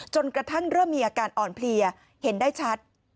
จนกระทั่งเริ่มมีอาการอ่อนเพลียเห็นได้ชัด